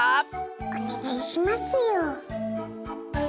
おねがいしますよ。